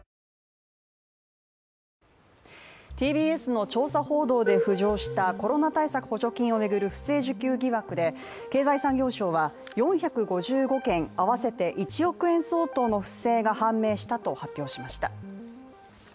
ＴＢＳの調査報道で浮上したコロナ対策補助金を巡る不正受給疑惑で経済産業省は４５５件、合わせて１億円相当の不正が判明したと発表しました。